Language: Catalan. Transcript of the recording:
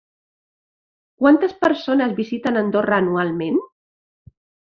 Quantes persones visiten Andorra anualment?